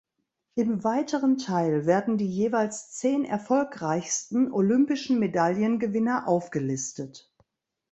Im weiteren Teil werden die jeweils zehn erfolgreichsten olympischen Medaillengewinner aufgelistet.